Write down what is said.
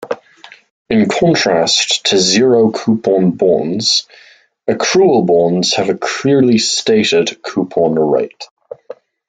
In contrast to zero-coupon bonds, accrual bonds have a clearly stated coupon rate.